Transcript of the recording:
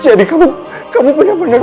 jadi kamu benar benar faridah